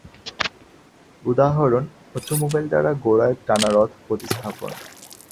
উদাহরণ ঃ অটোমোবাইল দ্বারা ঘোড়ায় টানা রথ প্রতিস্থাপন।